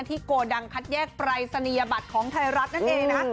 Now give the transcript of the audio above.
ที่โกดังคัดแยกไปรสนิยบัตรของไทยรัฐนั่นเองนะ